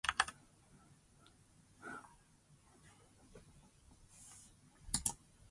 When the camera cut to a "bereaved" Prinz, she was shaking with laughter.